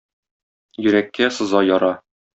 Йөрәккә сыза яра.